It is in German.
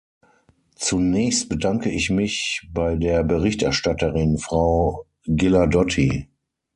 Zunächst bedanke ich mich bei der Berichterstatterin, Frau Ghilardotti.